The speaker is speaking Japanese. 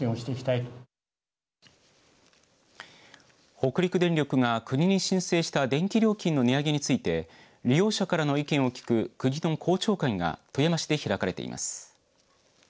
北陸電力が国に申請した電気料金の値上げについて利用者からの意見を聞く国の公聴会が富山市で開かれています。